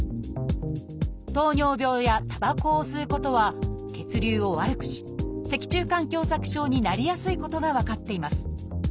「糖尿病」や「たばこを吸うこと」は血流を悪くし脊柱管狭窄症になりやすいことが分かっています。